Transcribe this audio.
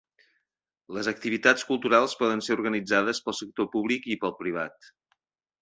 Les activitats culturals poden ser organitzades pel sector públic i pel privat.